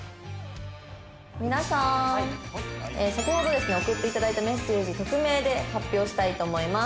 「皆さーん」「先ほどですね送って頂いたメッセージ匿名で発表したいと思います」